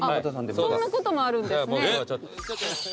そんなこともあるんですね。